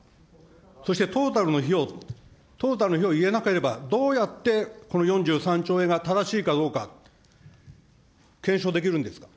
そして、トータルの費用、トータルの費用を言えなければ、どうやってこの４３兆円が正しいかどうか、検証できるんですか。